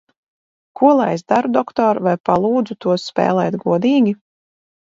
Ko lai es daru, doktor, vai palūdzu tos spēlēt godīgi?